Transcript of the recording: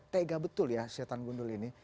tega betul ya setan gundul ini